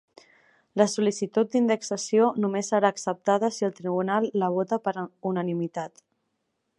La sol·licitud d'indexació només serà acceptada si el tribunal la vota per unanimitat.